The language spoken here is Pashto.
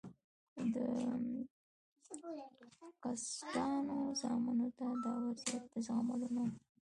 د کسټانو زامنو ته دا وضعیت د زغملو نه و.